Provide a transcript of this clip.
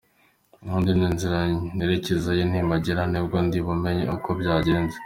Ubu ndi mu nzira nerekezayo, nimpagera ni bwo ndi bumenye uko byagenze.